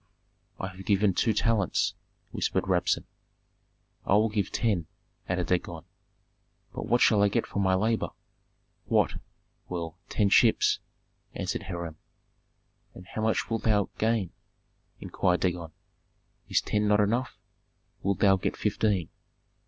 "I have given two talents!" whispered Rabsun. "I will give ten," added Dagon. "But what shall I get for my labor?" "What? Well, ten ships," answered Hiram. "And how much wilt thou gain?" inquired Dagon. "Is ten not enough? Thou wilt get fifteen."